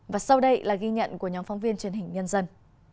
và sau đây là ghi nhận của nhóm phóng viên truyền hình nhân dân